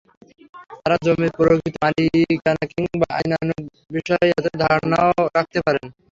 তাঁরা জমির প্রকৃত মালিকানা কিংবা আইনকানুন বিষয়ে এতটা ধারণা না–ও রাখতে পারেন।